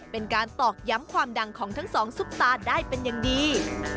ตอกย้ำความดังของทั้งสองซุปตาได้เป็นอย่างดี